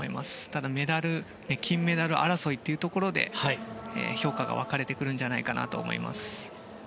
ただメダル、金メダル争いというところで評価が分かれてくるんじゃないかなと思います。